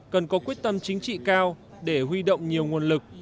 cần có quyết tâm chính trị cao để huy động nhiều nguồn lực